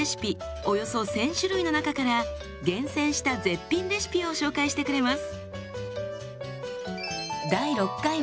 およそ１，０００種類の中から厳選した絶品レシピを紹介してくれます。